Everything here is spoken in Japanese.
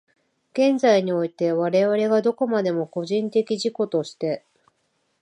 現在において、我々がどこまでも個人的自己として、